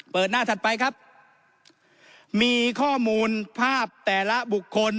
หน้าถัดไปครับมีข้อมูลภาพแต่ละบุคคล